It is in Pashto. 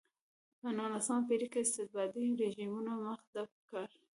په نولسمه پېړۍ کې استبدادي رژیمونو مخه ډپ کړه.